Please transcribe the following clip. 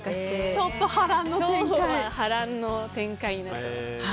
ちょっと波乱の展開になってます。